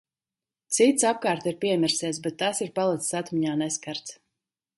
Cits apkārt ir piemirsies, bet tas ir palicis atmiņā neskarts.